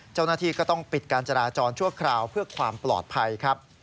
เจ้าหน้าที่ก็ต้องปิดการจราจรชั่วคราวเพื่อความปลอดภัยครับ